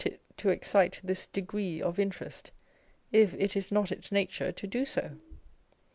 it to excite this degree of interest, if it is not its nature to do so?